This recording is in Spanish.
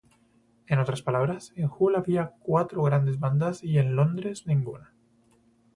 En otras palabras, en Hull había cuatro grandes bandas y en Londres ninguna.